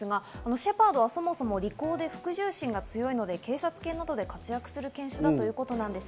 シェパードはそもそも利口で服従心が強いので、警察犬などで活躍する犬種だということです。